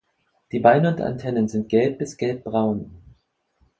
Die Beine und Antennen sind gelb bis gelbbraun.